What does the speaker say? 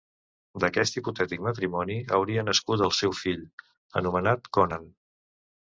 D'aquest hipotètic matrimoni hauria nascut el seu fill, anomenat Conan.